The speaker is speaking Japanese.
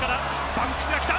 バンクスが来た！